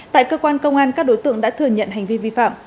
tại cơ quan công an các đối tượng đã thừa nhận hành vi vi phạm